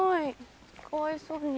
かわいそうに。